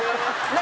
何？